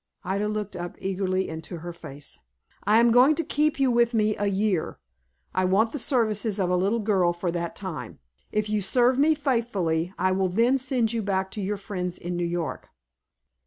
Ida looked up eagerly into her face. "I am going to keep you with me a year. I want the services of a little girl for that time. If you serve me faithfully, I will then send you back to your friends in New York."